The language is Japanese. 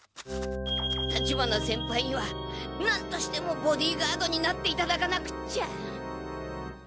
立花先輩にはなんとしてもボディーガードになっていただかなくっちゃ。